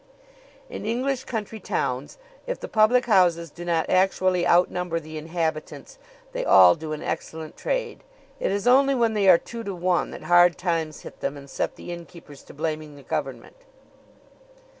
In English country towns, if the public houses do not actually outnumber the inhabitants, they all do an excellent trade. It is only when they are two to one that hard times hit them and set the innkeepers to blaming the government.